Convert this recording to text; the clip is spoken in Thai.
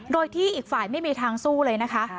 โดยที่อีกฝ่ายไม่มีทางสู้เลยนะคะ